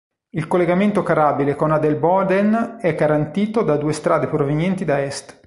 Il collegamento carrabile con Adelboden è garantito da due strade provenienti da est.